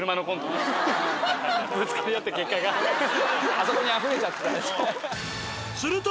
あそこにあふれちゃった。